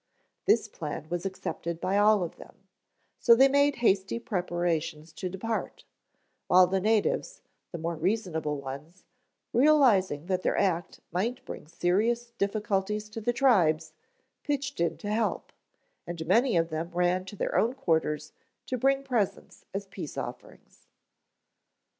This plan was accepted by all of them, so they made hasty preparations to depart, while the natives, the more reasonable ones, realizing that their act might bring serious difficulties to the tribes, pitched in to help, and many of them ran to their own quarters to bring presents as peace offerings.